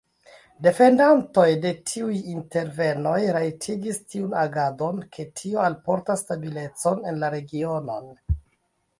Defendantoj de tiuj intervenoj rajtigis tiun agadon, ke tio alportas stabilecon en la regionon.